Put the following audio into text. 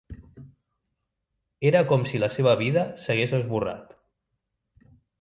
Era com si la seva vida s'hagués esborrat.